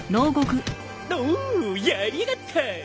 おおやりやがった！